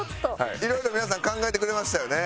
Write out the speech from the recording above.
いろいろ皆さん考えてくれましたよね。